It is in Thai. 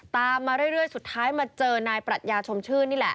มาเรื่อยสุดท้ายมาเจอนายปรัชญาชมชื่นนี่แหละ